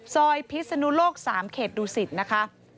ซอยพิศนุโลกสามเขตดูสิทธิ์นะคะ